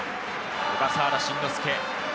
小笠原慎之介。